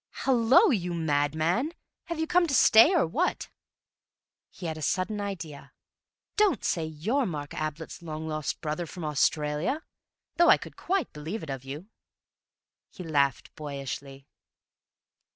"Hallo, you madman, have you come to stay, or what?" He had a sudden idea. "Don't say you're Mark Ablett's long lost brother from Australia, though I could quite believe it of you." He laughed boyishly.